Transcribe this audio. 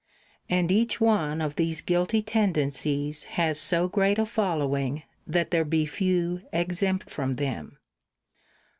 And each one of these guilty tendencies has so great a following that there be few exempt from them.